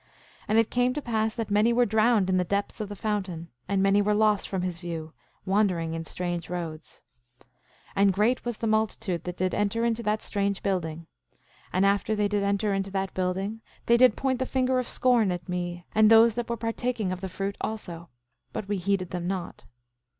8:32 And it came to pass that many were drowned in the depths of the fountain; and many were lost from his view, wandering in strange roads. 8:33 And great was the multitude that did enter into that strange building. And after they did enter into that building they did point the finger of scorn at me and those that were partaking of the fruit also; but we heeded them not.